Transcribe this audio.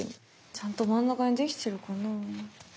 ちゃんと真ん中にできてるかな？